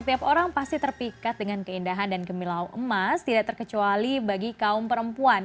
setiap orang pasti terpikat dengan keindahan dan kemilau emas tidak terkecuali bagi kaum perempuan